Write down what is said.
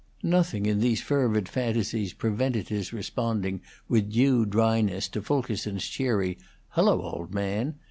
Nothing in these fervid fantasies prevented his responding with due dryness to Fulkerson's cheery "Hello, old man!"